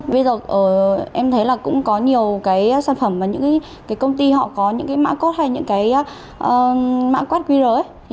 bây giờ em thấy là cũng có nhiều cái sản phẩm và những cái công ty họ có những cái mã code hay những cái mã code quý rời